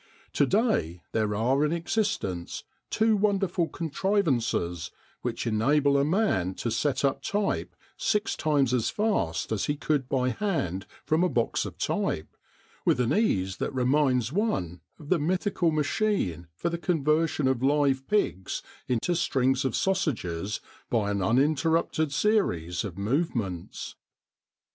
To day there are in existence two wonderful contrivances which enable a man to set up type six times as fast as he could by hand from a box of type, with an ease that reminds one of the mythical machine for the conversion of live pigs into strings of sausages by an uninterrupted series of movements.